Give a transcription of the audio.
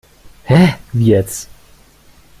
Hä, wie jetzt?